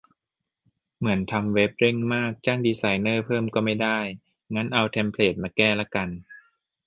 เหมือนทำเว็บ เร่งมาก จ้างดีไซเนอร์เพิ่มก็ไม่ได้ งั้นเอาเทมเพลตมาแก้ละกัน